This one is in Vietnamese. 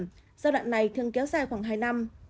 giao đoạn này thường kéo dài khoảng hai năm